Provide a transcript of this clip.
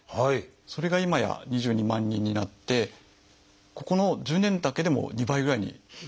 それが今や２２万人になってここの１０年だけでも２倍ぐらいに増えてます。